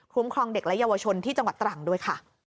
ครองเด็กและเยาวชนที่จังหวัดตรังด้วยค่ะ